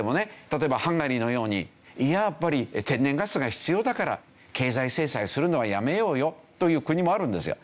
例えばハンガリーのようにやっぱり天然ガスが必要だから経済制裁をするのはやめようよという国もあるんですよ。